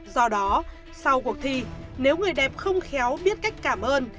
do đó sau cuộc thi nếu người đẹp không khéo biết cách cảm ơn